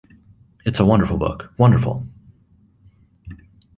It’s a wonderful book — wonderful!